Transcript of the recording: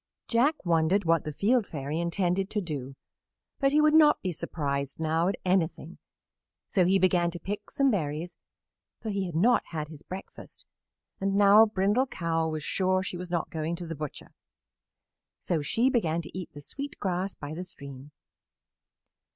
Jack wondered what the Field Fairy intended to do, but he would not be surprised now at anything, so he began to pick some berries, for he had not had his breakfast, and now Brindle Cow was sure she was not going to the butcher. So she began to eat the sweet grass by the stream.